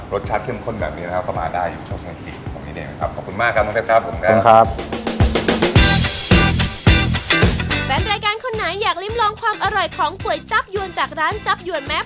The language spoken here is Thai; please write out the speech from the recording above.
รสชาติเข้มข้นแบบนี้นะครับ